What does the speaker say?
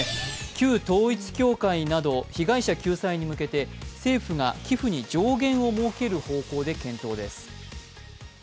旧統一教会など被害者救済に向けて政府が寄付に上限を設ける方向で検討です。